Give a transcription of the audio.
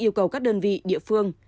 yêu cầu các đơn vị địa phương